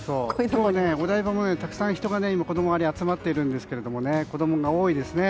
今日、お台場もたくさん人がこの周りに集まっているんですけど子供が多いですね。